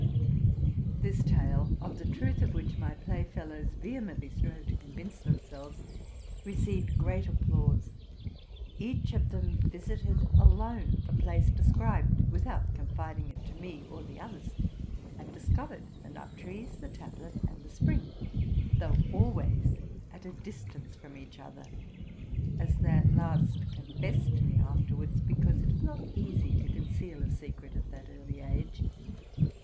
This tale, of the truth of which my playfellows vehe mently strove to convince themselves, received great ap plause. Each of them visited alone the place described, without confiding it to me or the others, and discoyered the 54 TRUTH AND FICTION nut trees, the tablet, and the spring, though always at a dis tance from each other; as they at last confessed to me after wards, because it is not easy to conceal a secret at that early age.